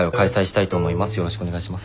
よろしくお願いします。